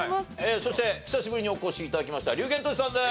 そして久しぶりにお越し頂きました龍玄としさんです。